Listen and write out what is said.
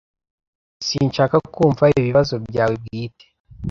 Sinshaka kumva ibibazo byawe bwite.